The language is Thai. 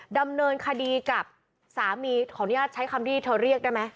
ดำเนินคดีกับสามีขออนุญาตใช้คำที่เธอเรียกได้ไหม